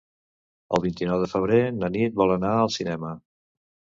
El vint-i-nou de febrer na Nit vol anar al cinema.